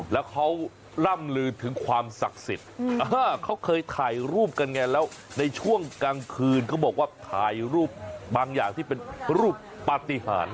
แล้วเขาล่ำลือถึงความศักดิ์สิทธิ์เขาเคยถ่ายรูปกันไงแล้วในช่วงกลางคืนเขาบอกว่าถ่ายรูปบางอย่างที่เป็นรูปปฏิหาร